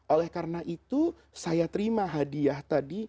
oleh karena itu saya terima hadiah tadi